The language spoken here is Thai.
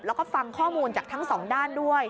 แล้วก็ฟังข้อมูลจากทั้งสองด้านด้วย